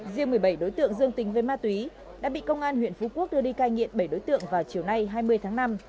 riêng một mươi bảy đối tượng dương tính với ma túy đã bị công an huyện phú quốc đưa đi cai nghiện bảy đối tượng vào chiều nay hai mươi tháng năm